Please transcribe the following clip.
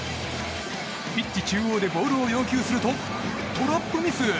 ピッチ中央でボールを要求するとトラップミス。